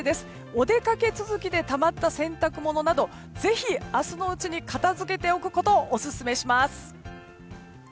お出かけ続きでたまった洗濯物などぜひ、明日のうちに片づけておくことをオススメします。